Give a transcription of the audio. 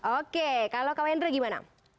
oke kalau kak wendra gimana